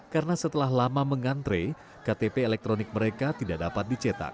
karena setelah lama mengantre ktp elektronik mereka tidak dapat dicetak